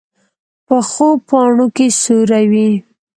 پخو پاڼو کې سیوری وي